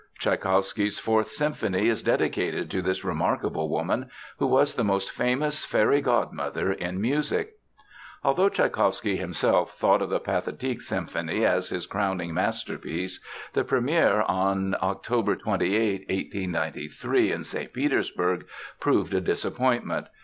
Tschaikowsky's Fourth Symphony is dedicated to this remarkable woman, who was the most famous Fairy Godmother in music. Although Tschaikowsky himself thought of the Pathetic symphony as his crowning masterpiece, the première on October 28, 1893, in St. Petersburg proved a disappointment.